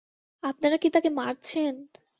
আপনারা কি তাকে মারছেন?